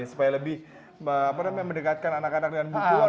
supaya lebih mendekatkan anak anak dengan bukuan